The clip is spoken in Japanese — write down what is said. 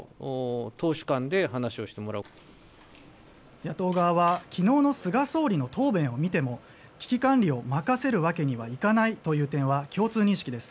野党側は昨日の菅総理の答弁を見ても危機管理を任せるわけにはいかないという点は共通認識です。